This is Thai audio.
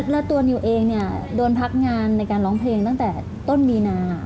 แล้วตัวนิวเองเนี่ยโดนพักงานในการร้องเพลงตั้งแต่ต้นมีนา